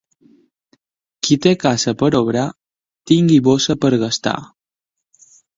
Qui té casa per obrar, tingui bossa per gastar.